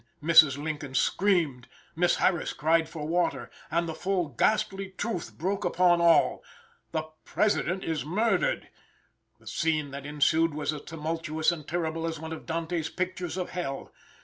] Then Mrs. Lincoln screamed, Miss Harris cried for water, and the full ghastly truth broke upon all "The President is murdered!" The scene that ensued was as tumultuous and terrible as one of Dante's pictures of hell.